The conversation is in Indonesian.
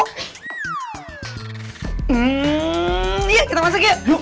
hmm yuk kita masuk yuk